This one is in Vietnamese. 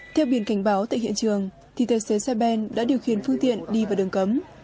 theo biển cảnh báo tại hiện trường thì tài xế xe ben đã điều khiển phương tiện đi vào đường cấm